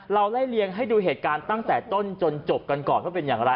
ไล่เลียงให้ดูเหตุการณ์ตั้งแต่ต้นจนจบกันก่อนว่าเป็นอย่างไร